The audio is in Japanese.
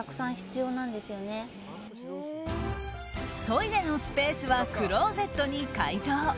トイレのスペースはクローゼットに改造。